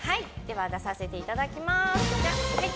出させていただきます。